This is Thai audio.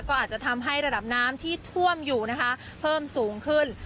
ก็อาจจะทำให้ระดับน้ำที่ท่วมอยู่นะคะเพิ่มสูงขึ้น